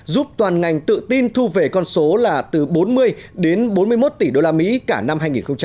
giúp toàn ngành tự tin thu về con số là từ bốn mươi đến bốn mươi một tỷ usd cả năm hai nghìn hai mươi